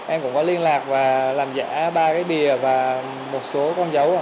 em cũng có liên lạc và làm giả ba cái bìa và một số con dấu